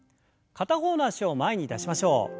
片方の脚を前に出しましょう。